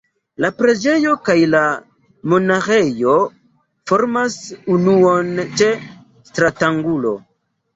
La preĝejo kaj la monaĥejo formas unuon ĉe stratangulo.